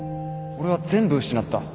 俺は全部失った